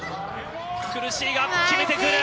苦しいが、決めてくる。